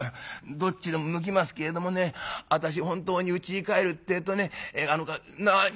「どっちでも向きますけれどもね私本当にうちに帰るってえとね何をする。